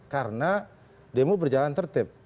karena demo berjalan tertib